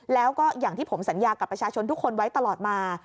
แล้วก็อย่างที่ผมสัญญากับประชาชนทุกคนไว้ตลอดมา